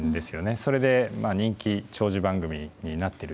それで人気長寿番組になってる。